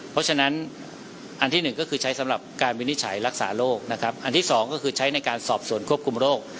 เพราะฉะนั้นอันที่หนึ่งก็คือใช้สำหรับการวินิจฉัยรักษาโรคนะครับอันที่สองก็คือใช้ในการสอบส่วนควบคุมโรค